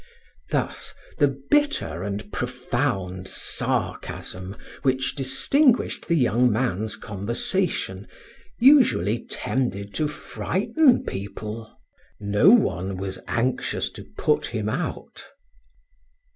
Thus the bitter and profound sarcasm which distinguished the young man's conversation usually tended to frighten people; no one was anxious to put him out.